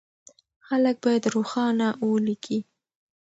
خلک بايد روښانه وليکي.